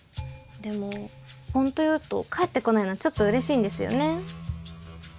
でも本当言うと帰ってこないのちょっと嬉しいんですよね。